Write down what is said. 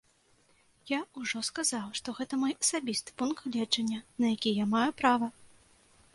Я ўжо сказаў, што гэта мой асабісты пункт гледжання, на які я маю права.